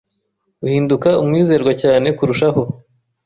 Uhinduka umwizerwa cyane kurushaho